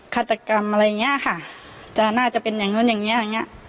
ฆาตกรรมอะไรอย่างเงี้ยค่ะจะน่าจะเป็นอย่างนู้นอย่างเงี้อย่างเงี้ย